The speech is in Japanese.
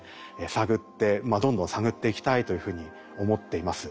探ってどんどん探っていきたいというふうに思っています。